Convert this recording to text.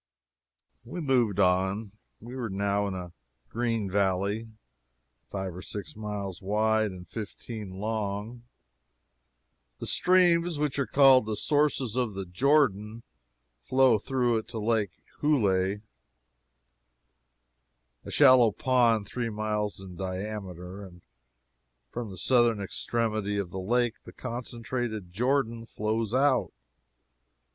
We moved on. We were now in a green valley, five or six miles wide and fifteen long. The streams which are called the sources of the Jordan flow through it to Lake Huleh, a shallow pond three miles in diameter, and from the southern extremity of the Lake the concentrated Jordan flows out.